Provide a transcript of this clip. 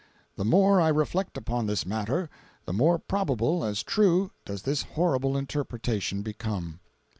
The more I reflect upon this matter, the more probable as true does this horrible interpretation become.